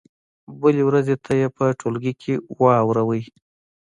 بلې ورځې ته یې په ټولګي کې واورئ.